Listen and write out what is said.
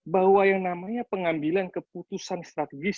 bahwa yang namanya pengambilan keputusan strategis